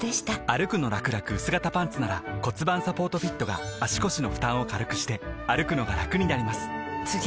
「歩くのらくらくうす型パンツ」なら盤サポートフィットが足腰の負担を軽くしてくのがラクになります覆个△